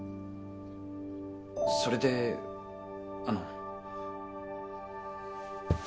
それであの。